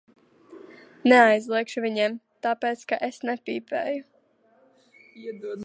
Neaizliegšu viņiem, tāpēc ka es nepīpēju.